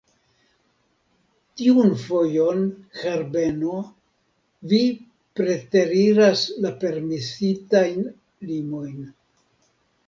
Tiun fojon, Herbeno, vi preteriras la permesitajn limojn.